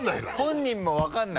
本人も分からない？